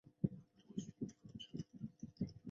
缘毛无心菜为石竹科无心菜属的植物。